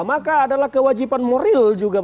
maka adalah kewajiban moral juga